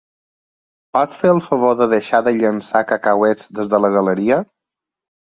Pots fer el favor de deixar de llençar cacauets des de la galeria?